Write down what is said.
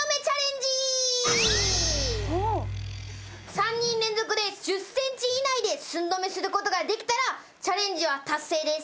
３人連続で１０ｃｍ以内で寸止めすることができたらチャレンジは達成です。